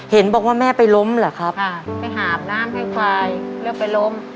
เห็นบอกว่าแม่ไปล้มเหรอครับไปหาบน้ำให้ควายแล้วไปล้ม